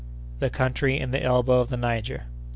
The Country in the Elbow of the Niger.